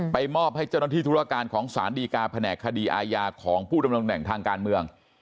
มอบให้เจ้าหน้าที่ธุรการของสารดีการแผนกคดีอาญาของผู้ดำรงตำแหน่งทางการเมือง